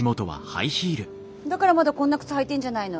だからまだこんな靴履いてんじゃないの。